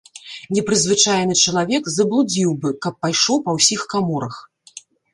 Непрызвычаены чалавек заблудзіў бы, каб пайшоў па ўсіх каморах.